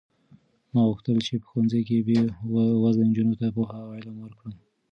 ما غوښتل چې په ښوونځي کې بې وزله نجونو ته پوهه او علم ورکړم.